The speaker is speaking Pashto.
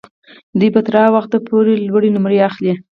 دوی به تر هغه وخته پورې لوړې نمرې اخلي.